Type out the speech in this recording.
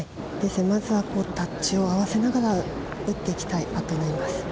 まずはタッチを合わせながら打っていきたいパットになります。